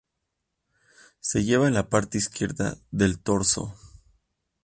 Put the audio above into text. Se lleva en la parte izquierda del torso.